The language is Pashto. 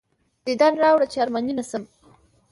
دیدن راوړه چې ارماني نه شم.